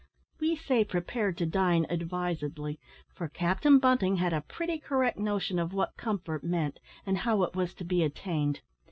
We say prepared to dine, advisedly, for Captain Bunting had a pretty correct notion of what comfort meant, and how it was to be attained.